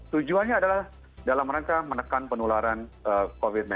tujuannya adalah dalam rangka menekan penularan covid sembilan belas